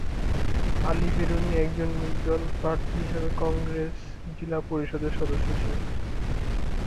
আল-বেরুনী, একজন নির্দল প্রার্থী হিসেবে কংগ্রেস জিলা পরিষদের সদস্য ছিলেন।